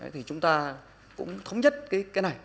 thì chúng ta cũng thống nhất cái này